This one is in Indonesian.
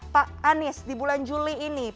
pak anies di bulan juli ini